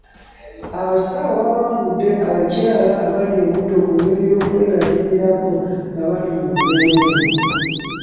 Abasawo babangudde abakyala abali embuto ku ngeri y'okwerabiramu nga bali mu mbeera eno.